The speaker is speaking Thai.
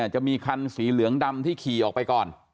จะมีคันสีเหลืองดำที่ขี่ออกไปก่อน